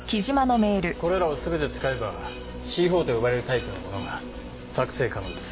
これらを全て使えばＣ４と呼ばれるタイプのものが作成可能です。